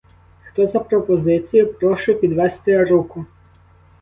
Хто за пропозицію, прошу підвести руку!